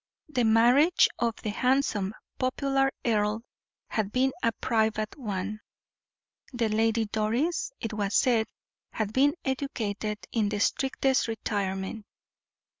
The marriage of the handsome, popular earl had been a private one; the Lady Doris, it was said, had been educated in the strictest retirement.